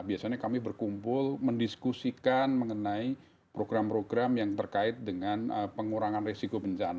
biasanya kami berkumpul mendiskusikan mengenai program program yang terkait dengan pengurangan risiko bencana